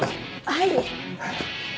はい。